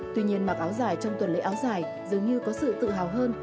tuy nhiên mặc áo dài trong tuần lễ áo dài dường như có sự tự hào hơn